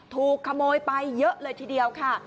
ถูกขโมยไปเยอะเลยทีเดียวค่ะ